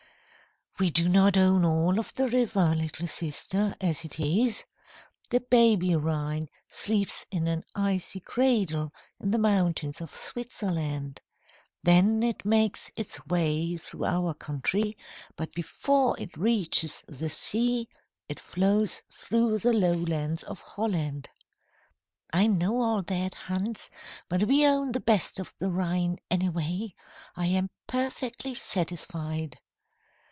"We do not own all of the river, little sister, as it is. The baby Rhine sleeps in an icy cradle in the mountains of Switzerland. Then it makes its way through our country, but before it reaches the sea it flows through the low lands of Holland." "I know all that, Hans. But we own the best of the Rhine, anyway. I am perfectly satisfied."